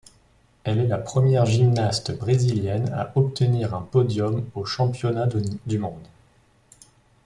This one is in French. Elle est la première gymnaste brésilienne à obtenir un podium aux Championnats du monde.